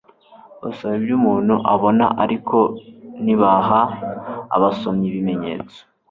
basaba ibyo umuntu abona ariko ntibaha abasomyi ibimenyetso